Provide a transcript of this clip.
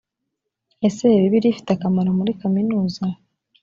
ese bibiliya ifite akamaro muri kaminuza